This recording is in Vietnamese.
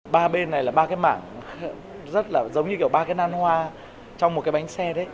ba bên này là ba cái mảng giống như ba cái nan hoa trong một cái bánh xe đấy